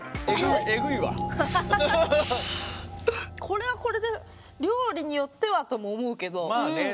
これはこれで料理によってはとも思うけど。